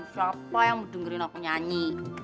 siapa yang mau dengerin aku nyanyi